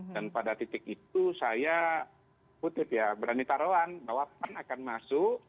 dan pada titik itu saya berani taruhan bahwa pan akan masuk